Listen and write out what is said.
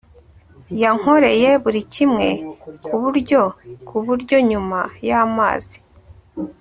yankoreye buri kimwe kuburyo kuburyo nyuma yamazi